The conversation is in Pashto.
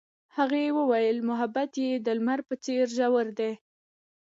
هغې وویل محبت یې د لمر په څېر ژور دی.